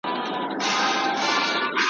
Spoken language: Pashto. اوس نه منتر کوي اثر نه په مُلا سمېږي ,